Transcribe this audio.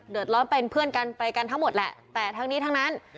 เดือดร้อนเป็นเพื่อนกันไปกันทั้งหมดแหละแต่ทั้งนี้ทั้งนั้น